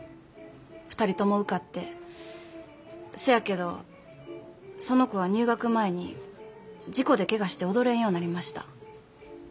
２人とも受かってせやけどその子は入学前に事故でケガして踊れんようになりました。